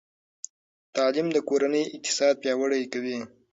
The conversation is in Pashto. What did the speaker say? تعلیم د کورنۍ اقتصاد پیاوړی کوي.